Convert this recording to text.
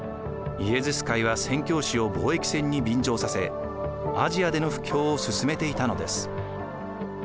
イエズス会は宣教師を貿易船に便乗させアジアでの布教を進めていたのです。